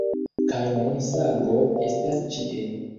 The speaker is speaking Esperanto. Kaj nun sango estas ĉie.